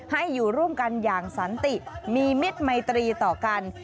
ให้อยู่ร่วมกันอย่างสันติมีมิตรมัยตรีต่อกัน